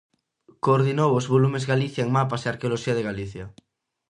Coordinou os volumes Galicia en mapas e Arqueoloxía de Galicia.